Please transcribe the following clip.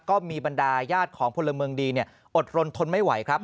บรรดาญาติของพลเมืองดีอดรนทนไม่ไหวครับ